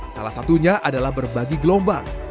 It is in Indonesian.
salah satunya adalah berbagi gelombang